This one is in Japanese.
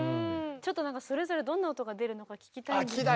ちょっとそれぞれどんな音が出るのか聴きたいんですけど。